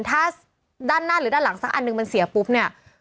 ถ้าด้านหน้าหรือด้านหลังสักอันหนึ่งมันเสียปุ๊บเนี่ย